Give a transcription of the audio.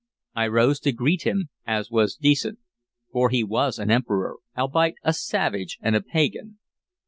I rose to greet him, as was decent; for he was an Emperor, albeit a savage and a pagan.